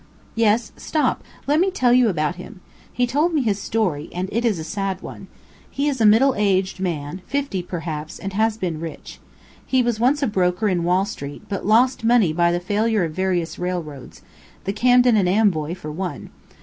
"Yes. Stop, let me tell you about him. He told me his story, and it is a sad one. He is a middle aged man fifty perhaps and has been rich. He was once a broker in Wall street, but lost money by the failure of various railroads the Camden and Amboy, for one."